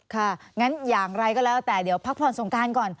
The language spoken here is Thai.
งั้นอย่างไรก็แล้วแต่เดี๋ยวพักผ่อนสงการก่อน